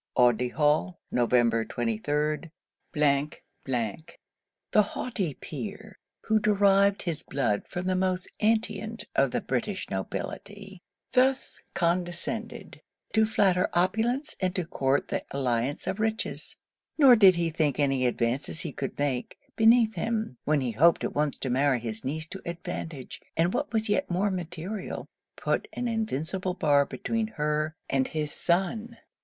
Audley Hall, Nov. 23. The haughty Peer, who derived his blood from the most antient of the British Nobility, thus condescended to flatter opulence and to court the alliance of riches. Nor did he think any advances he could make, beneath him, when he hoped at once to marry his niece to advantage, and what was yet more material, put an invincible bar between her and his son.